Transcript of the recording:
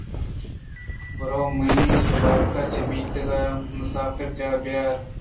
برو منی سبارگ ءَ چہ میتگ ءِ مسافرجاہ ءَ بیار